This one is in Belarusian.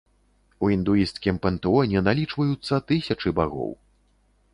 У індуісцкім пантэоне налічваюцца тысячы багоў.